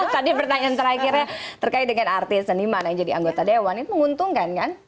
tadi pertanyaan terakhirnya terkait dengan artis seniman yang jadi anggota dewan itu menguntungkan kan